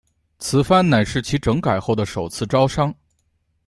此番乃是其整改后的首次招商。